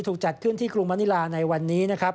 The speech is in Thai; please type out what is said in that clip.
จัดขึ้นที่กรุงมณิลาในวันนี้นะครับ